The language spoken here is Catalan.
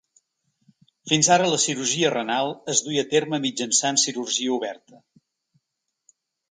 Fins ara, la cirurgia renal es duia a terme mitjançant cirurgia oberta.